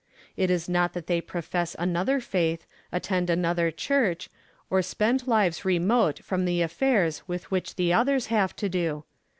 It is not that they profess another faith, attend another church, or spend lives remote from the affairs with which the others have to do.